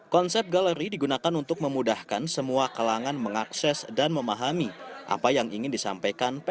konsep galeri digunakan untuk memudahkan semua kalangan mengakses dan memahami apa yang ingin disampaikan